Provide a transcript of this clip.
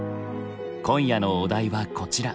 今夜のお題はこちら。